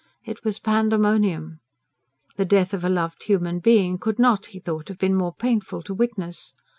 It was pandemonium. The death of a loved human being could not, he thought, have been more painful to witness.